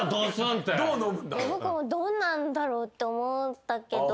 僕もどうなんだろうって思ったけど。